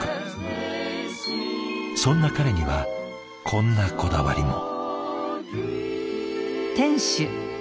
そんな彼にはこんなこだわりも。